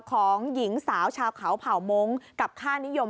ของหญิงสาวชาวเขาเผ่ามงค์กับค่านิยม